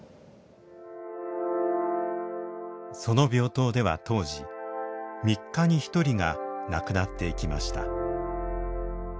その病棟では当時３日に１人が亡くなっていきました。